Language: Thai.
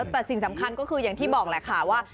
แต่สิ่งสำคัญก็คืออย่างที่บอกแหละค่ะว่า